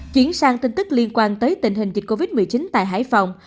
chuyển sang tin tức liên quan tới tình hình dịch covid một mươi chín tại hải phòng